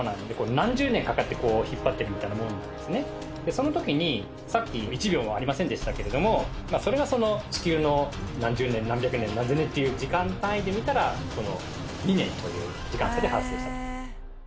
その時にさっき１秒もありませんでしたけれどもそれが地球の何十年何百年何千年という時間単位で見たら２年という時間差で発生したと。